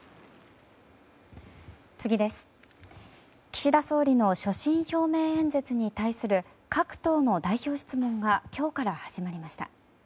岸田総理の所信表明演説に対する各党の代表質問が今日から始まりました。